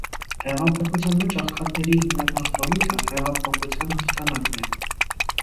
Հեղափոխության մեջ աղքատների հիմնական «շահույթը» հեղափոխության հաղթանակն է։